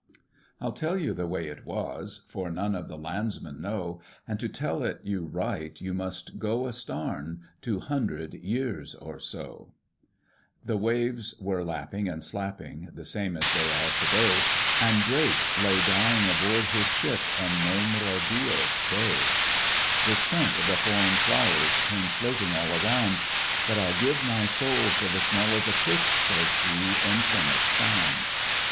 "I'll tell you the way it was (For none of the landsmen know), And to tell it you right, you must go a starn Two hundred years or so. "The waves were lapping and slapping The same as they are to day; And Drake lay dying aboard his ship In Nombre Dios Bay. "The scent of the foreign flowers Came floating all around; 'But I'd give my soul for the smell o' the pitch,' Says he, 'in Plymouth Sound.'